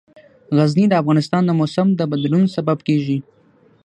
غزني د افغانستان د موسم د بدلون سبب کېږي.